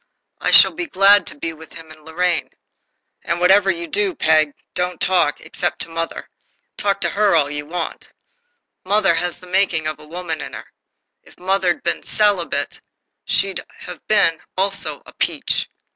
I shall be glad to be with him and Lorraine. "And whatever you do. Peg, don't talk, except to mother. Talk to her all you want to. Mother has the making of a woman in her. If mother'd been a celibate, she'd have been, also, a peach."